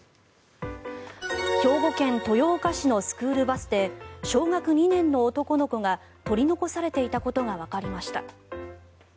兵庫県豊岡市のスクールバスで小学２年の男の子が取り残されていたことがわかりました。